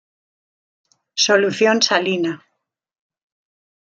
Solución salina.